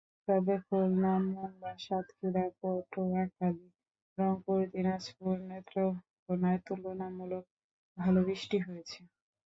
তবে খুলনা, মোংলা, সাতক্ষীরা, পটুয়াখালী, রংপুর, দিনাজপুর, নেত্রকোনায় তুলনামূলক ভালো বৃষ্টি হয়েছে।